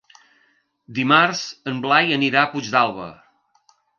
Dimarts en Blai anirà a Puigdàlber.